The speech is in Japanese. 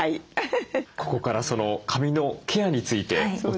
ここからその髪のケアについてお伝えしていきたいと思います。